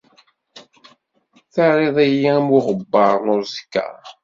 Terriḍ-iyi am uɣebbar n uẓekka.